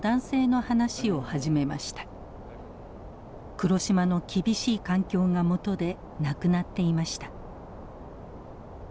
黒島の厳しい環境がもとで亡くなっていました。